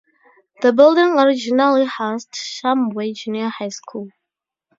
The building originally housed Shumway junior high school.